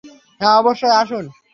হ্যাঁ, অবশ্যই, আসুন।